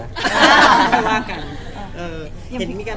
มันมีไม่มีทาง